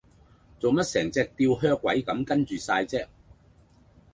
做乜成隻吊靴鬼咁跟住哂啫